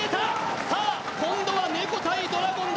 今度は猫対ドラゴンだ